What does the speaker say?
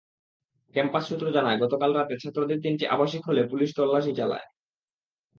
Campus সূত্র জানায়, গতকাল রাতে ছাত্রদের তিনটি আবাসিক হলে পুলিশ তল্লাশি চালায়।